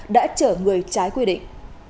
đã trở người trái quy định